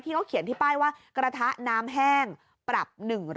เขาเขียนที่ป้ายว่ากระทะน้ำแห้งปรับ๑๐๐